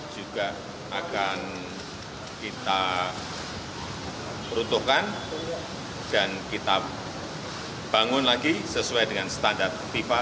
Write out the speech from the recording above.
juga akan kita perutuhkan dan kita bangun lagi sesuai dengan standar fifa